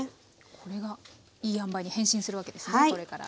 これがいいあんばいに変身するわけですねこれから。